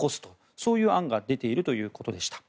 そういう案が出ているということでした。